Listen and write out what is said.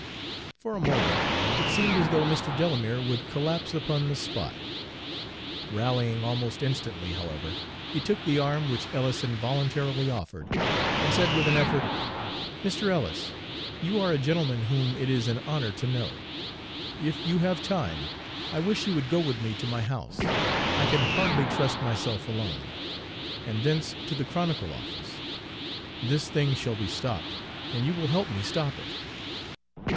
For a moment it seemed as though Mr. Delamere would collapse upon the spot. Rallying almost instantly, however, he took the arm which Ellis involuntarily offered, and said with an effort: "Mr. Ellis, you are a gentleman whom it is an honor to know. If you have time, I wish you would go with me to my house, I can hardly trust myself alone, and thence to the Chronicle office. This thing shall be stopped, and you will help me stop it."